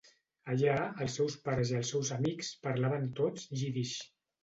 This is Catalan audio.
Allà, els seus pares i els seus amics parlaven tots jiddisch.